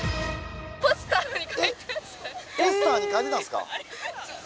ポスターに書いてたんすか？